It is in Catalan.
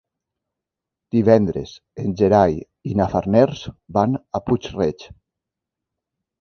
Divendres en Gerai i na Farners van a Puig-reig.